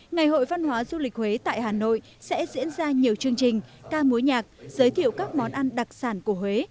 ngày hội văn hóa du lịch huế tại hà nội sẽ diễn ra nhiều chương trình ca mối nhạc giới thiệu các món ăn đặc sản của huế